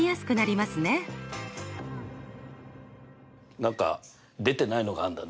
何か出てないのがあんだね。